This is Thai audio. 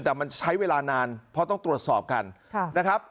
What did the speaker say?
แต่มันใช้เวลานานเพราะต้องตรวจสอบกันนะครับ